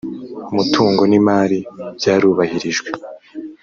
mutungo n imali byarubahirijwe